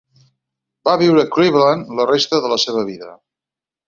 Va viure a Cleveland la resta de la seva vida.